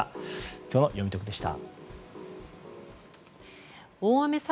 今日のよみトクでした。